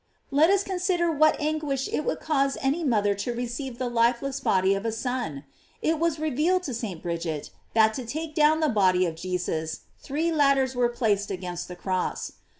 Let us consider what anguish it would cause any mother to receive the lifeless body of a son! it was revealed to St. Bridget, that to take down the body of Jesus, three ladders were placed against the cross.